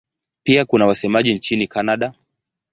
Pia kuna wasemaji nchini Kanada.